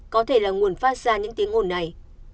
có thể là nguồn phát ra những tiếng ồn này